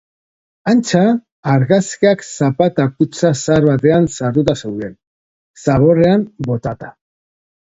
Antza, argazkiak zapata-kutxa zahar batean sartuta zeuden, zaborrean botata.